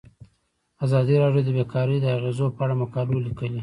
ازادي راډیو د بیکاري د اغیزو په اړه مقالو لیکلي.